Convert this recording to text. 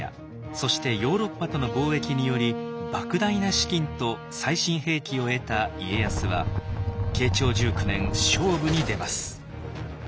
そしてヨーロッパとの貿易によりばく大な資金と最新兵器を得た家康は慶長１９年勝負に出ます。